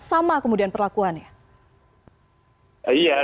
sama kemudian perlakuannya